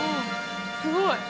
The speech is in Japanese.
すごい。